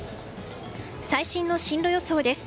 最新の進路予想です。